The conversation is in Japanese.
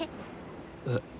えっ？